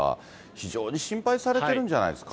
非常に心配されてるんじゃないですか。